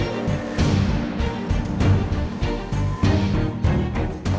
มีความบึกเตรียมเรื่องงานว่าฟังจัดการรับรับหลัก